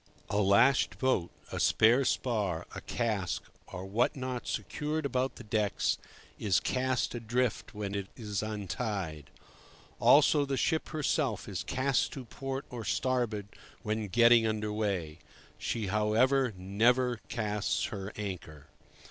A lashed boat, a spare spar, a cask or what not secured about the decks, is "cast adrift" when it is untied. Also the ship herself is "cast to port or starboard" when getting under way. She, however, never "casts" her anchor.